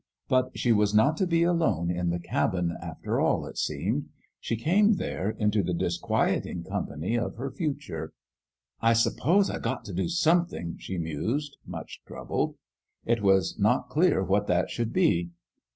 But she was not to be alone in the cabin, after all, it seemed ; she came, there, into the dis quieting company of her future. " I s'pose I got t' do something," she mused, much troubled. It was not clear what that should be.